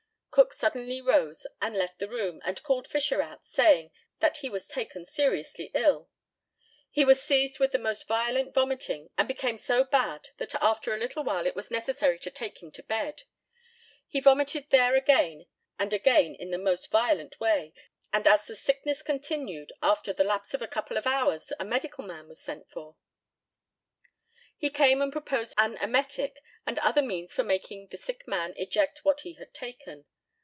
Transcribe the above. Cook suddenly rose and left the room, and called Fisher out, saying that he was taken seriously ill. He was seized with most violent vomiting, and became so bad that after a little while it was necessary to take him to bed. He vomited there again and again in the most violent way, and as the sickness continued after the lapse of a couple of hours a medical man was sent for. He came and proposed an emetic and other means for making the sick man eject what he had taken.